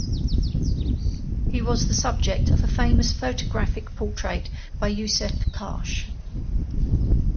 He was the subject of a famous photographic portrait by Yousuf Karsh.